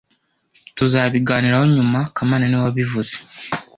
Tuzabiganiraho nyuma kamana niwe wabivuze